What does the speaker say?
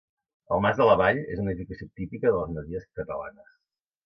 El mas de la Vall és una edificació típica de les masies catalanes.